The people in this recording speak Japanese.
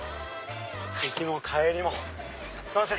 行きも帰りもすいません。